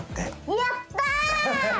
やった！